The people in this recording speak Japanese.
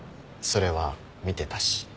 それは見てたし。